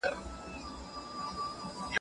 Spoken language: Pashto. بله څېړنه هم ورته پایله ښيي.